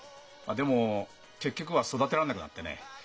でも結局は育てられなくなってね